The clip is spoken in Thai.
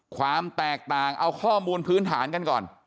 ความแตกต่างเอาข้อมูลพื้นฐานกันก่อน